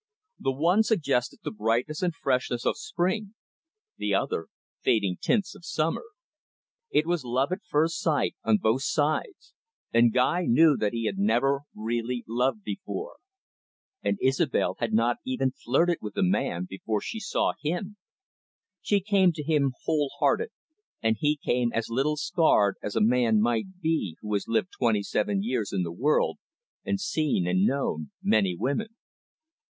The one suggested the brightness and freshness of spring, the other fading tints of summer. It was love at first sight on both sides, and Guy knew that he had never really loved before. And Isobel had not even flirted with a man before she saw him. She came to him whole hearted, and he came as little scarred as a man might be who has lived twenty seven years in the world, and seen and known many women.